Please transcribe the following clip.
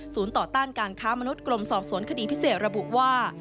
ศูนย์ต่อต้างการคางการมนุษย์กรมทรงการส่วนคดีพิเศษระบุว่า